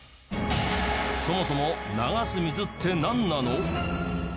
そもそも、流す水って何なの？